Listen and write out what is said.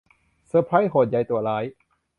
เซอร์ไพรส์โพด ยัยตัวร้าย